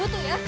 gue tuh ya